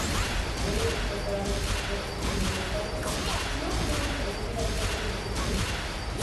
El equipo paralímpico yugoslavo no obtuvo ninguna medalla en estos Juegos.